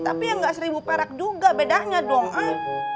tapi yang enggak seribu perak juga bedanya dong ah